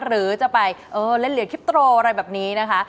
หรือจะไปเล่นเหรียญคิปโตรอะไรแบบนี้นะคะ